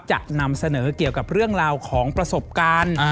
จะนำเสนอเกี่ยวกับเรื่องราวของประสบการณ์